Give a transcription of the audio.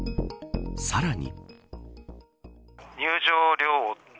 さらに。